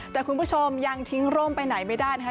แต่คุณผู้ชมยังทิ้งร่มไปไหนไม่ได้นะคะ